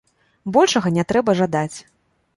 Большага не трэба жадаць.